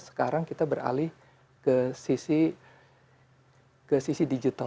sekarang kita beralih ke sisi digital